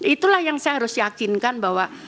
itulah yang saya harus yakinkan bahwa